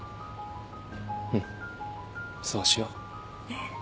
うんそうしよう。